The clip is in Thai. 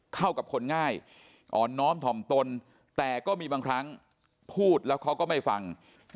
เข้ากับคนง่ายอ่อนน้อมถ่อมตนแต่ก็มีบางครั้งพูดแล้วเขาก็ไม่ฟัง